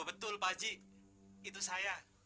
betul pak haji itu saya